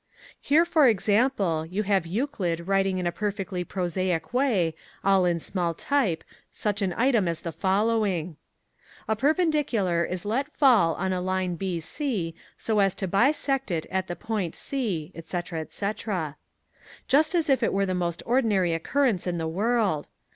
Here, for example, you have Euclid writing in a perfectly prosaic way all in small type such an item as the following: "A perpendicular is let fall on a line BC so as to bisect it at the point C etc., etc.," just as if it were the most ordinary occurrence in the world.